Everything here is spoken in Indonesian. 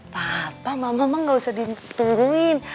papa mama mah gak usah ditungguin